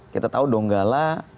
kita tahu donggala